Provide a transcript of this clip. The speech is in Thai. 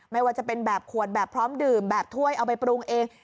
ไม่ว่าจะเป็นแบบขวดแบบพร้อมดื่มแบบถ้วยเอาไปปรุงเอง